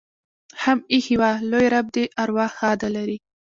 هم ایښي وه. لوى رب دې ارواح ښاده لري.